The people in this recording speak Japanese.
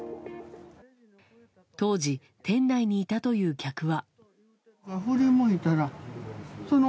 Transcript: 当時、店内にいたという客は。